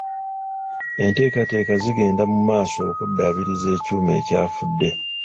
Enteekateeka zigenda mu maaso okuddaabiriza ekyuma ekyafudde.